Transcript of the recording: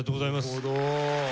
なるほど！